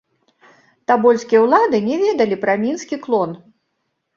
Табольскія ўлады не ведалі пра мінскі клон.